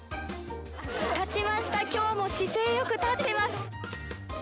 立ちました、きょうも姿勢よく立っています。